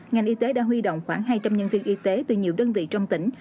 ngành y tế đã huy động khoảng hai trăm linh nhân viên y tế từ nhiều đơn vị trong tỉnh